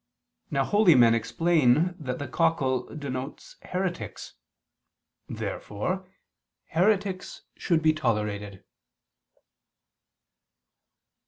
Now holy men explain that the cockle denotes heretics. Therefore heretics should be tolerated.